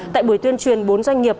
tại buổi tuyên truyền bốn doanh nghiệp